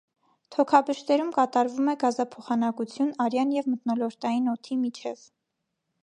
Թոքաբշտերում կատարվում է գազափոխանակություն արյան և մթնոլորտային օդի միջև։